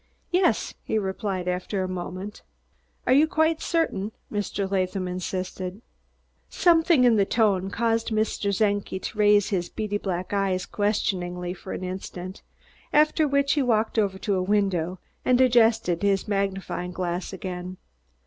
"Yes," he replied after a moment. "Are you quite certain?" Mr. Latham insisted. Something in the tone caused Mr. Czenki to raise his beady black eyes questioningly for an instant, after which he walked over to a window and adjusted his magnifying glass again.